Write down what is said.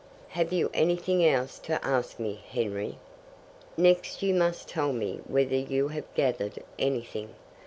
"Have you anything else to ask me, Henry?" "Next you must tell me whether you have gathered anything.